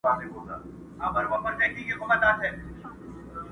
همېشه ګرځي په ډلو پر مردارو،